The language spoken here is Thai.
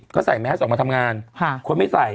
ก็ใส่แมสออกมาทำงานคนไม่ใส่